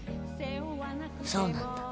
そうなんだ。